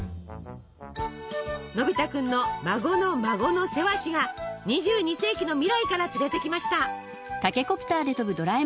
のび太くんの孫の孫のセワシが２２世紀の未来から連れてきました。